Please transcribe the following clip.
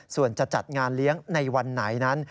ส่วนจะจัดงานเลี้ยงในวันไหนนั้น